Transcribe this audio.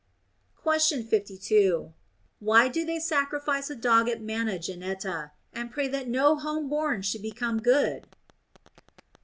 Question 52. Why do they sacrifice a dog to Mana Geneta, and pray that no home born should become good